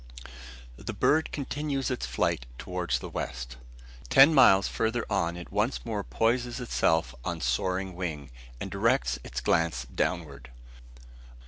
The bird continues its flight towards the west. Ten miles farther on it once more poises itself on soaring wing, and directs its glance downward.